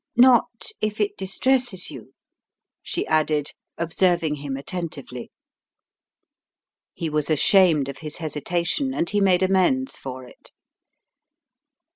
Not if it distresses you," she added, observing him attentively. He was ashamed of his hesitation, and he made amends for it.